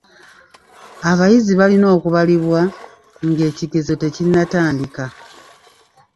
Abayizi balina okubalibwa ng'ekigezo tekinnatandika.